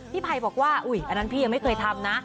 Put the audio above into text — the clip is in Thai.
ไผ่บอกว่าอันนั้นพี่ยังไม่เคยทำนะ